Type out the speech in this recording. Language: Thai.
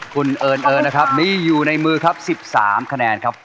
คุณเอิญเอิญนะครับมีอยู่ในมือครับ๑๓คะแนนครับ